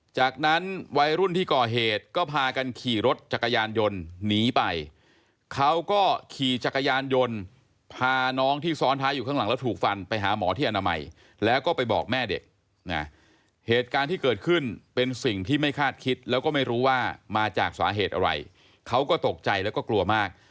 จากนั้นวัยรุ่นที่ก่อเหตุก็พากันขี่รถจักรยานยนต์หนีไปเขาก็ขี่จักรยานยนต์พาน้องที่ซ้อนท้ายอยู่ข้างหลังแล้วถูกฟันไปหาหมอที่อนามัยแล้วก็ไปบอกแม่เด็กนะเหตุการณ์ที่เกิดขึ้นเป็นสิ่งที่ไม่คาดคิดแล้วก็ไม่รู้ว่ามาจากสาเหตุอะไรเขาก็ตกใจแล้วก็กลัวมาก